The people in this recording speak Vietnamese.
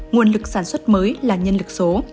nguồn lực sản xuất mới là nhân lực số